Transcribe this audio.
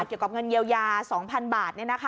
เกี่ยวกับเงินเยียวยา๒๐๐๐บาท